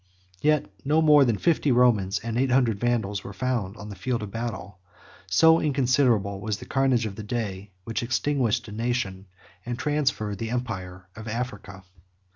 Yet no more than fifty Romans, and eight hundred Vandals were found on the field of battle; so inconsiderable was the carnage of a day, which extinguished a nation, and transferred the empire of Africa.